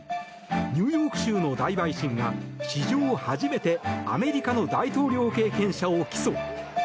ニューヨーク州の大陪審が史上初めてアメリカの大統領経験者を起訴。